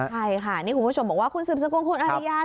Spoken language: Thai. ใช่ค่ะนี่คุณผู้ชมบอกว่าคุณสืบสกุลคุณอริยา